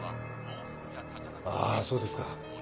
あぁそうですか。